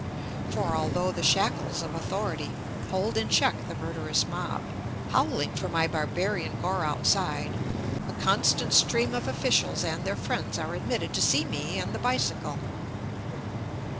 For although the shackles of authority hold in check the murderous mob, howling for my barbarian gore outside, a constant stream of officials and their friends are admitted to see me and the bicycle.